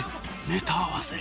ネタ合わせ